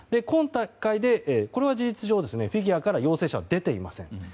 今大会で、これは事実上フィギュアから陽性者は出ていません。